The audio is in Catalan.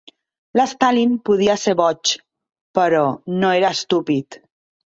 Stalin podia ser boig, però no era estúpid.